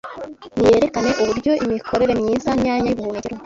Niyerekane uburyo imikorere myiza y’imyanya y’ubuhumekero